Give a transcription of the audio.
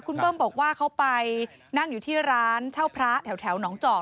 คุณเบิ้มบอกว่าเขาไปนั่งอยู่ที่ร้านเช่าพระแถวหนองจอก